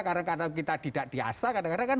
kadang kadang kita tidak biasa kadang kadang kan